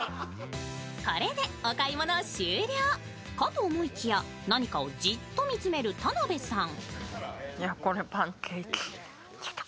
これでお買い物終了かと思いきや何かをじっと見つめる田辺さん。